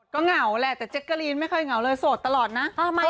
ก็เหงาแหละแต่เจ๊กกะลีนไม่เคยเหงาเลยโสดตลอดนะ